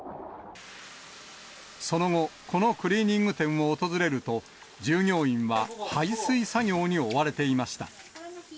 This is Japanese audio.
その後、このクリーニング店を訪れると、従業員は排水作業に追われていました。